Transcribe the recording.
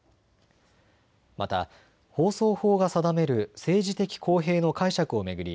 また放送法が定める政治的公平の解釈を巡り